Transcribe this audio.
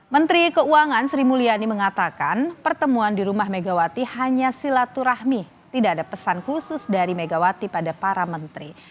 menteri keuangan sri mulyani mengatakan pertemuan di rumah megawati hanya silaturahmi tidak ada pesan khusus dari megawati pada para menteri